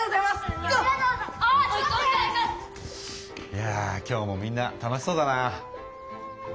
いやぁ今日もみんな楽しそうだな。